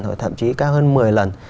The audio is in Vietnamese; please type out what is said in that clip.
hoặc thậm chí cao hơn một mươi lần